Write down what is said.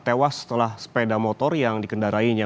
tewas setelah sepeda motor yang dikendarainya